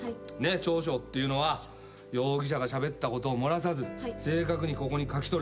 調書っていうのは容疑者がしゃべったことを漏らさず正確にここに書き取る。